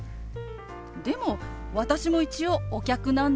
でも私も一応お客なんですけど。